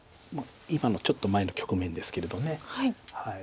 今のちょっと前の局面ですけれど。